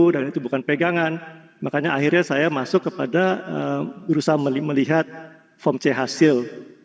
dan itu bukan pegangan makanya akhirnya saya masuk kepada berusaha melihat form c hasil